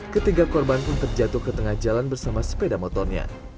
ketiga korban pun terjatuh ke tengah jalan bersama sepeda motornya